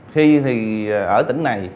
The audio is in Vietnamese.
khi thì ở tỉnh này